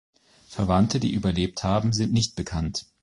Verwandte, die überlebt haben, sind nicht bekannt.